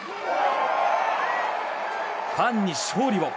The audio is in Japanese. ファンに勝利を。